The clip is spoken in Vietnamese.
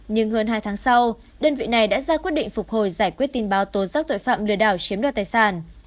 nhưng hơn hai tháng sau đơn vị này đã ra quyết định phục hồi giải quyết tin báo tố giác tội phạm lừa đảo chiếm đoạt tài sản